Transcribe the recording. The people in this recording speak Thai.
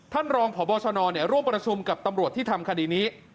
ท่านรองพบชนร่วมประชุมกับตำรวจที่ทำคดีนี้